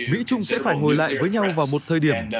mỹ trung sẽ phải ngồi lại với nhau vào một thời điểm